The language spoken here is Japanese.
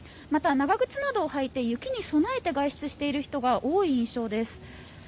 また、長靴などを履いて雪に備えて外出している人が多い印象です。